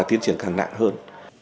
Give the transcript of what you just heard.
và tiến triển càng nặng hơn